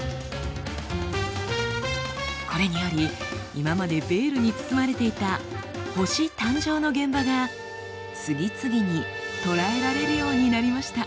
これにより今までベールに包まれていた星誕生の現場が次々に捉えられるようになりました。